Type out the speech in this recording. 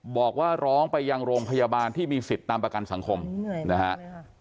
บอกว่าร้องไปยังโรงพยาบาลที่มีสิทธิ์ตามประกันสังคมนะฮะ